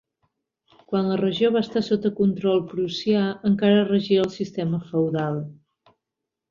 Quan la regió va estar sota control prussià, encara regia el sistema feudal.